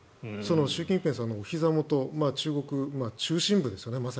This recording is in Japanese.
習近平さんのおひざ元中国の中心部ですよね。